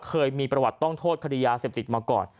เคยมีประวัติต้องโทษคดียาเสพติดมาก่อน